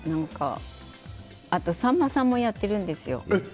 あと、さんまさんもやってるんですよ。